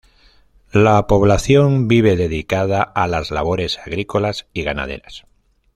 La población vive dedicada a las labores agrícolas y ganaderas.